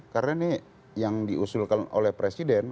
karena ini yang diusulkan oleh presiden